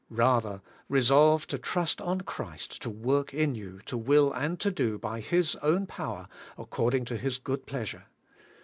Bather resolve to trust on Christ to work in you to will and to do hy His own power according to His own good pleasure.